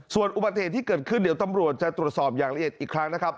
ส่วนอุบัติเหตุที่เกิดขึ้นเดี๋ยวตำรวจจะตรวจสอบอย่างละเอียดอีกครั้งนะครับ